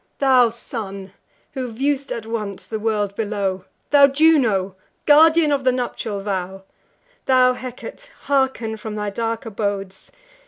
Thou Sun, who view'st at once the world below; Thou Juno, guardian of the nuptial vow; Thou Hecate hearken from thy dark abodes!